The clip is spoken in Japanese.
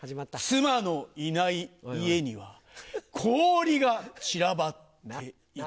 妻のいない家には氷が散らばっていた。